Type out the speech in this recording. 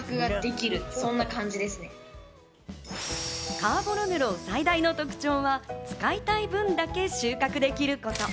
カーボロネロ最大の特徴は、使いたい分だけ収穫できること。